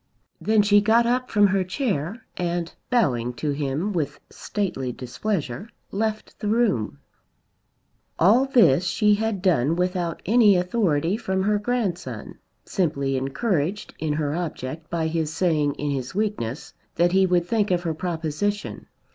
Then she got up from her chair and bowing to him with stately displeasure left the room. All this she had done without any authority from her grandson, simply encouraged in her object by his saying in his weakness that he would think of her proposition.